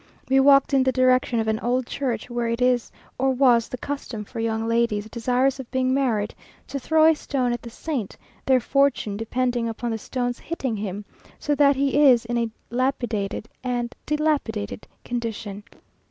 We walked in the direction of an old church, where it is or was the custom for young ladies desirous of being married to throw a stone at the saint, their fortune depending upon the stone's hitting him, so that he is in a lapidated and dilapidated condition.